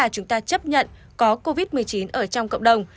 chúng ta chấp nhận có covid một mươi chín ở trong cộng đồng